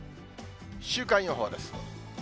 週間予報です。